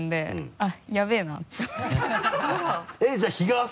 あっ！